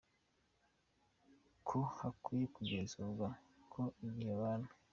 ko hakwiye kugenzurwa ko igihe abana